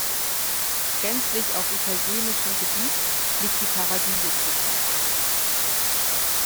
Gänzlich auf italienischem Gebiet liegt die Paradiso-Gruppe.